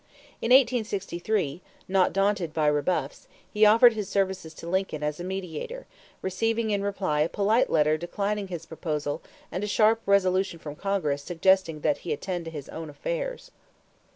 In 1863, not daunted by rebuffs, he offered his services to Lincoln as a mediator, receiving in reply a polite letter declining his proposal and a sharp resolution from Congress suggesting that he attend to his own affairs.